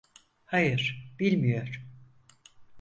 Hayır, bilmiyor.